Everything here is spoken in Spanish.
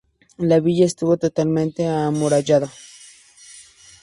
La villa estuvo totalmente amurallada.